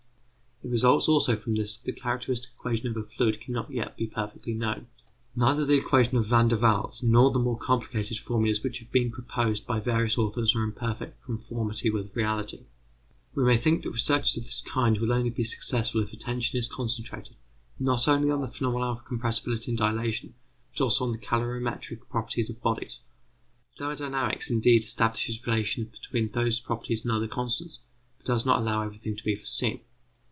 It results also from this that the characteristic equation of a fluid cannot yet be considered perfectly known. Neither the equation of Van der Waals nor the more complicated formulas which have been proposed by various authors are in perfect conformity with reality. We may think that researches of this kind will only be successful if attention is concentrated, not only on the phenomena of compressibility and dilatation, but also on the calorimetric properties of bodies. Thermodynamics indeed establishes relations between those properties and other constants, but does not allow everything to be foreseen.